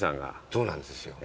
そうなんですよ。